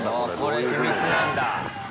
これ秘密なんだ。